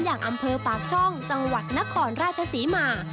อย่างอำเภอปากช่องจังหวัดนครราชศรีมา